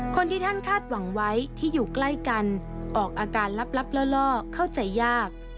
คนที่ท่านคาดหวังไว้ที่อยู่ใกล้กันออกอาการลับล่อเข้าใจยาก